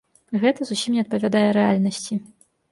Гэта зусім не адпавядае рэальнасці.